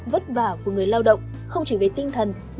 vất vả của người lao động không chỉ về tinh thần